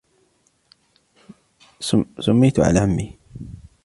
سُميّتُ على عمي.